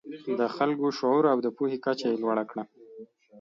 د خلکو شعور او د پوهې کچه یې لوړه کړه.